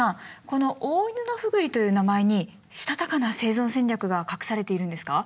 このオオイヌノフグリという名前にしたたかな生存戦略が隠されているんですか？